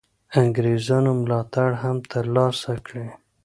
انګرېزانو ملاتړ هم تر لاسه کړي.